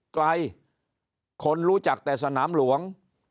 คนรู้จักแต่สนามหลวง